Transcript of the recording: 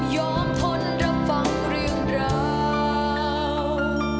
ทนรับฟังเรื่องราว